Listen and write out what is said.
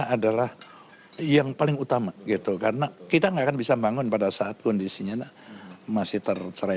adalah yang paling utama gitu karena kita nggak akan bisa bangun pada saat kondisinya masih tercerai